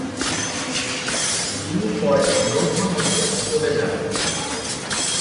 তিনি পরে লক্ষ্ণৌতে চলে যান।